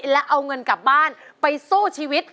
และเอาเงินกลับบ้านไปสู้ชีวิต